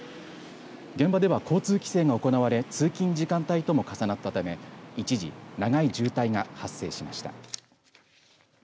現場では交通規制が行われ通勤時間帯とも重なったため一時、長い渋滞が発生しました。